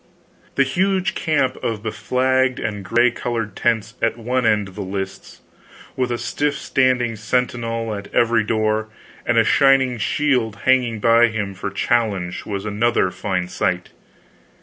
The huge camp of beflagged and gay colored tents at one end of the lists, with a stiff standing sentinel at every door and a shining shield hanging by him for challenge, was another fine sight.